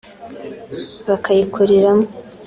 bakayikuriramo